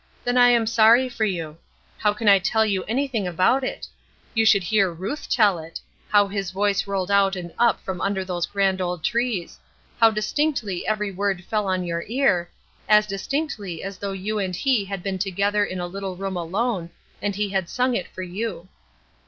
Then I am sorry for you. How can I tell you anything about it? You should hear Ruth tell it! How his voice rolled out and up from under those grand old trees; how distinctly every word fell on your ear, as distinctly as though you and he had been together in a little room alone, and he had song it for you.